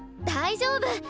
大丈夫！